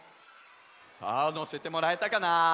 さあのせてもらえたかな？